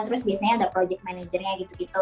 terus biasanya ada project managernya gitu gitu